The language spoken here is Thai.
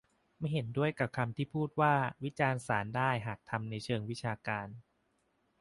ไม่เห็นด้วยกับที่พูดว่า วิจารณ์ศาลได้หากทำในเชิงวิชาการ